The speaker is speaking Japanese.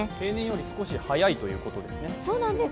平年より少し早いということですね。